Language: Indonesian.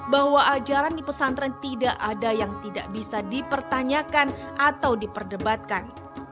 bahwa ajaran di pesantren tidak ada yang tidak bisa dipertanyakan atau diperdebatkan